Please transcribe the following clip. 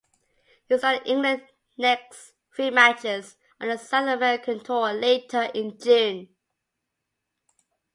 He started England's next three matches, on a South American tour later in June.